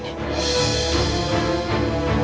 tidak ada bangsa